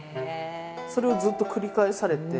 それをずっと繰り返されて。